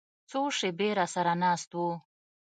څو شېبې راسره ناست و.